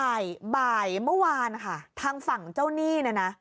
บ่ายบ่ายเมื่อวานค่ะทางฝั่งเจ้าหนี้เนี่ยนะ